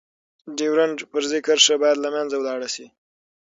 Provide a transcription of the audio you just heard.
ډيورنډ فرضي کرښه باید لمنځه لاړه شی.